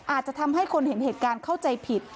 อาจจะทำให้คนเห็นเหตุการณ์เข้าใจผิด